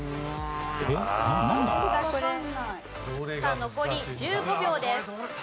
さあ残り１５秒です。